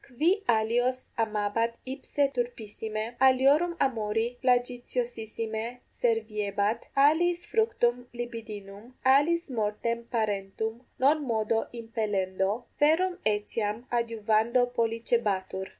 qui alios amabat ipse turpissime, aliorum amori flagitiosissime serviebat, aliis fructum libidinum, aliis mortem parentum non modo impellendo, verum etiam adiuvando pollicebatur.